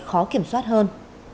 khó kiểm soát hơn